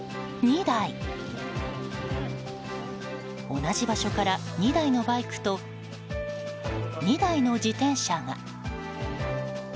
同じ場所から２台のバイクと２台の自転車が。